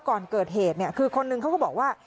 ก่อนเกิดเหตุเนี่ยคือคนนึงเขาก็บอกว่า